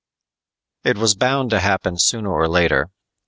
_It was bound to happen sooner or later.